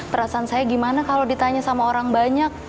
perasaan saya gimana kalau ditanya sama orang banyak